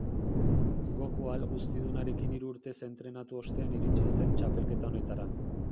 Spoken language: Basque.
Goku Ahalguztidunarekin hiru urtez entrenatu ostean iritsi zen txapelketa honetara.